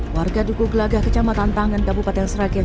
warga duku gelagah kecamatan tangan kabupaten seragian